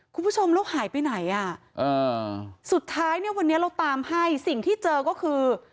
คุณผู้ชมแล้วหายไปไหนอ่ะอ่าสุดท้ายเนี่ยวันนี้เราตามให้สิ่งที่เจอก็คือ